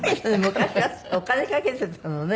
昔はお金かけてたのね。